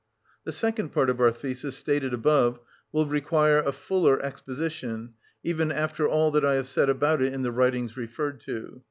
The second part of our thesis, stated above, will require a fuller exposition even after all that I have said about it in the writings referred to.